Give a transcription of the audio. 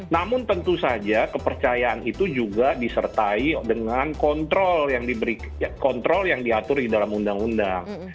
namun tentu saja kepercayaan itu juga disertai dengan kontrol yang diatur di dalam undang undang